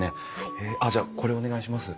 あっじゃあこれお願いします。